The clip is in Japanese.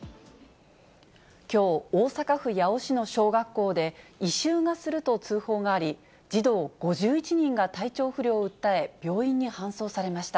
きょう、大阪府八尾市の小学校で、異臭がすると通報があり、児童５１人が体調不良を訴え、病院に搬送されました。